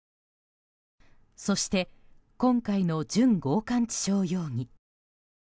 そして今回の準強姦致傷容疑。